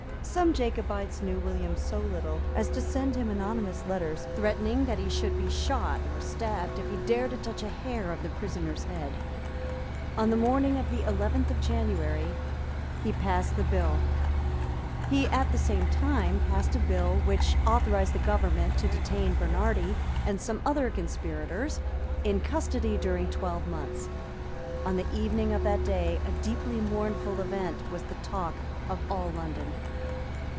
Some Jacobites knew William so little as to send him anonymous letters, threatening that he should be shot or stabbed if he dared to touch a hair of the prisoner's head. On the morning of the eleventh of January he passed the bill. He at the same time passed a bill which authorised the government to detain Bernardi and some other conspirators in custody during twelve months. On the evening of that day a deeply mournful event was the talk of all London.